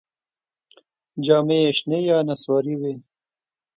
جامې یې شنې یا نسواري وې.